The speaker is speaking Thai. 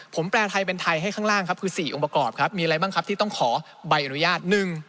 ผมแปลไทยเป็นไทยให้ข้างล่างครับคือ๔องค์ประกอบครับมีอะไรบ้างครับที่ต้องขอใบอนุญาต